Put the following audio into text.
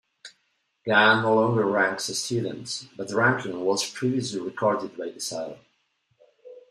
Gunn no longer ranks students, but ranking was previously recorded by decile.